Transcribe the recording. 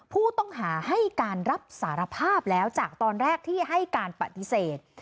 ผู้ต้องหาให้การรับสารภาพแล้วจากตอนแรกที่ให้การปฏิเสธ